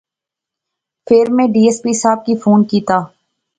فیر میں ڈی ایس پی صاحب کی فون کیتیا